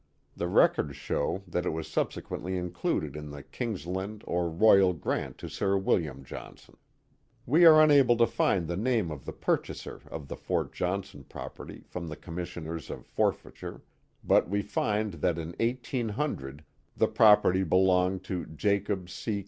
The records show that it was subsequently included in the Kings land or Royal Grant to Sir William Johnson. We are unable to find the name of the purchaser of the Fort Johnson property from the commissioners of forfeiture, but we find that in 1800 the property belonged to Jacob C.